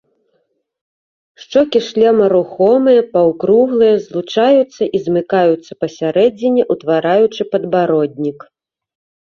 Шчокі шлема рухомыя, паўкруглыя, злучаюцца і замыкаюцца пасярэдзіне, утвараючы падбароднік.